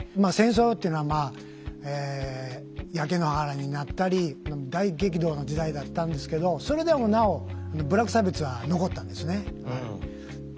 戦争っていうのは焼け野原になったり大激動の時代だったんですけどそれでもなお部落差別は残ったんですね。